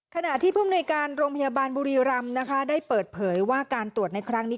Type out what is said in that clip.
ขณะที่ผู้มนุยการโรงพยาบาลบุรีรำนะคะได้เปิดเผยว่าการตรวจในครั้งนี้